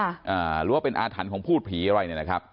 หรือว่าเป็นอาถรรพ์ของพูดผีอะไรเนี่ยนะครับ